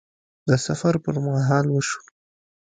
د سفر پر مهال وشو